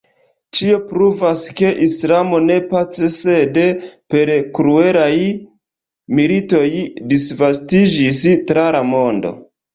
Ĉio pruvas, ke islamo ne pace sed per kruelaj militoj disvastiĝis tra la mondo.